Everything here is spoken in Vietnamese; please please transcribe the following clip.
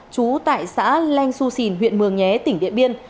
chú tại xã lanh xu sìn huyện mường nhé tỉnh điện biên